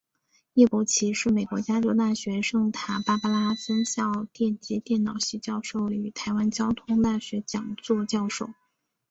叶伯琦是美国加州大学圣塔芭芭拉分校电机电脑系教授与台湾交通大学讲座教授。